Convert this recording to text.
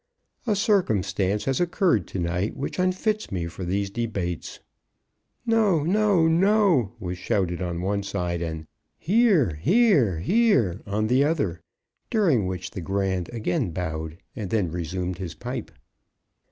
"A circumstance has occurred to night, which unfits me for these debates." "No, no, no," was shouted on one side; and "hear, hear, hear," on the other; during which the Grand again bowed and then resumed his pipe.